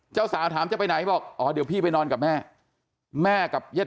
เจ้าสาวถามจะไปไหนก็บอกอ่อเดี๋ยวก็พี่ไปนอนกับแม่